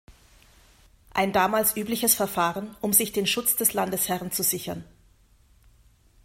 Ein damals übliches Verfahren, um sich den Schutz des Landesherren zu sichern.